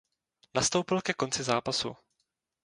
Nastoupil ke konci zápasu.